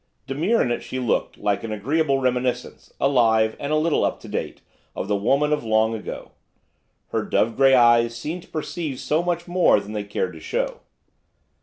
Demure in it she looked, like an agreeable reminiscence, alive, and a little up to date, of the women of long ago. Her dove grey eyes seemed to perceive so much more than they cared to show.